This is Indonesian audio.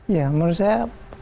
ya menurut saya